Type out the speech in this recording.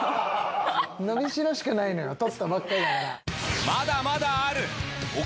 伸びしろしかないのよ取ったばっかりだから。